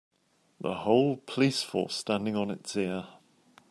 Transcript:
The whole police force standing on it's ear.